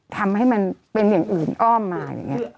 ทำให้มันเป็นอย่างอื่นอ้อมมาอย่างนี้